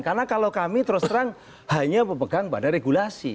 karena kalau kami terus terang hanya memegang pada regulasi